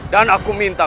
dan aku minta